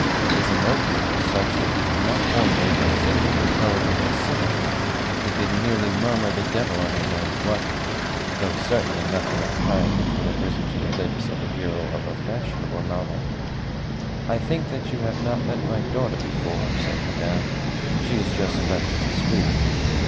His emotion was such that he could not formulate a single intelligible syllable; he could merely murmur the devil only knows what, though certainly nothing of the kind which would have risen to the lips of the hero of a fashionable novel. "I think that you have not met my daughter before?" said Madame. "She is just fresh from school."